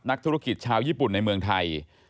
นักธุรกิจชาวญี่ปุ่นในเมืองไทย